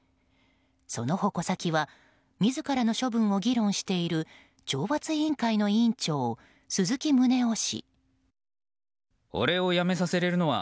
その矛先は自らの処分を議論している懲罰委員会の委員長鈴木宗男氏。